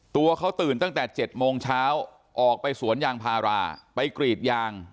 ตัวเขาตื่นตั้งแต่๗โมงเช้าออกไปสวนยางพาราไปกรีดยาง